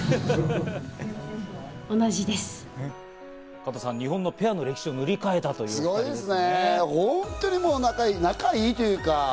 加藤さん、日本のペアの歴史を塗り替えたということですね。